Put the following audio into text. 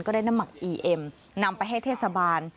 ได้น้ำหมักอีเอ็มนำไปให้เทศบาล